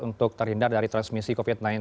untuk terhindar dari transmisi covid sembilan belas